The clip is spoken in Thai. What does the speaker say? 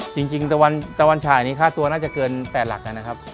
จริงตะวันฉายนี้ค่าตัวน่าจะเกิน๘หลักนะครับ